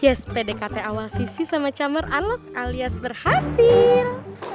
yes pdkt awal sisi sama camar alok alias berhasil